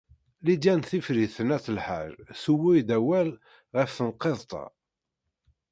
Lidya n Tifrit n At Lḥaǧ tuwey-d awal ɣef tenqiḍt-a.